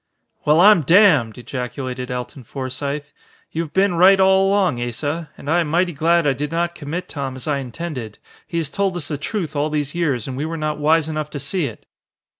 "Well I'm damned!" ejaculated Alton Forsythe. "You have been right all along, Asa. And I am mighty glad I did not commit Tom as I intended. He has told us the truth all these years and we were not wise enough to see it."